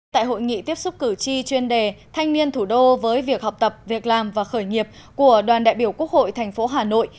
tại hội nghị tiếp xúc cử tri chuyên đề thanh niên thủ đô với việc học tập việc làm và khởi nghiệp của đoàn đại biểu quốc hội thành phố hà nội